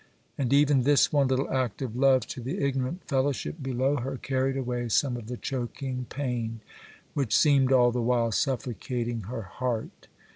'—and even this one little act of love to the ignorant fellowship below her carried away some of the choking pain which seemed all the while suffocating her heart.